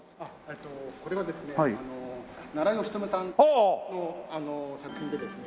これはですね奈良美智さんの作品でですね